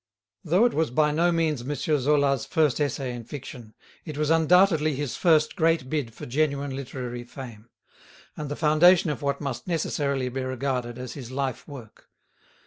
Though it was by no means M. Zola's first essay in fiction, it was undoubtedly his first great bid for genuine literary fame, and the foundation of what must necessarily be regarded as his life work.